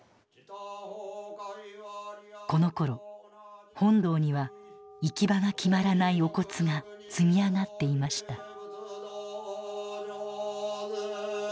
このころ本堂には行き場が決まらないお骨が積み上がっていました。